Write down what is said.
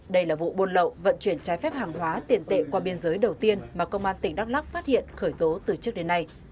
đây là vụ buôn lậu vận chuyển trái phép hàng hóa tiền tệ qua biên giới đầu tiên mà công an tỉnh đắk lắc phát hiện khởi tố từ trước đến nay